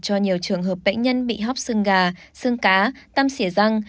cho nhiều trường hợp bệnh nhân bị hóc xương gà xương cá tăm xỉa răng